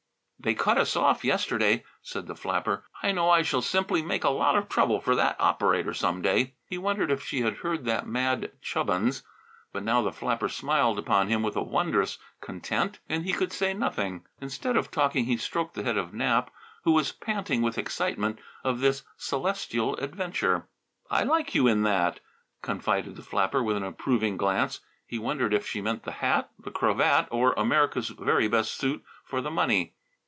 "They cut us off yesterday," said the flapper. "I know I shall simply make a lot of trouble for that operator some day." He wondered if she had heard that mad "Chubbins!" But now the flapper smiled upon him with a wondrous content, and he could say nothing. Instead of talking he stroked the head of Nap, who was panting with the excitement of this celestial adventure. "I like you in that," confided the flapper with an approving glance. He wondered if she meant the hat, the cravat or America's very best suit for the money.